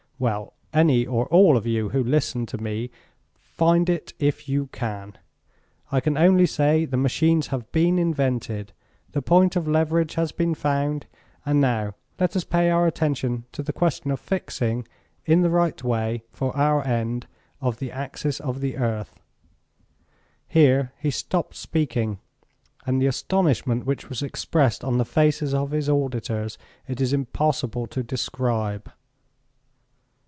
Well, any or all of you who listen to me find it if you can. I can only say the machines have been invented, the point of leverage has been found, and now let us pay our attention to the question of fixing, in the right way, for our end of the axis of the earth." Here he stopped speaking, and the astonishment which was expressed on the faces of his auditors it is impossible to describe.